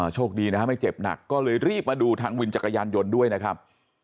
โชคดีนะฮะไม่เจ็บหนักก็เลยรีบมาดูทางวินจักรยานยนต์ด้วยนะครับ